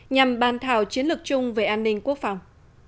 nhằm bàn thảo chiến lược chung về an ninh quốc phòng